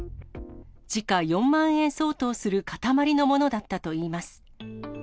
時価４万円相当する塊のものだったといいます。